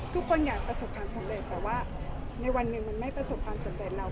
ทุกคนอยากประสบความสำเร็จแต่ว่าในวันหนึ่งมันไม่ประสบความสำเร็จเรา